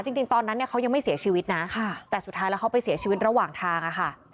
จริงตอนนั้นเนี่ยเขายังไม่เสียชีวิตนะแต่สุดท้ายแล้วเขาไปเสียชีวิตระหว่างทางอะค่ะ